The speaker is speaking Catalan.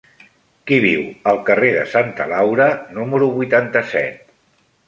Qui viu al carrer de Santa Laura número vuitanta-set?